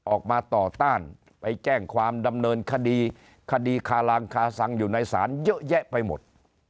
ออกมาต่อต้านไปแจ้งความดำเนินคดีคดีคารางคาซังอยู่ในศาลเยอะแยะไปหมด